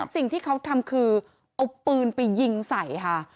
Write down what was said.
สิ่งที่เขาทำคือเอาปืนไปยิงใส่ค่ะ